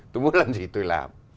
tôi muốn làm gì tôi làm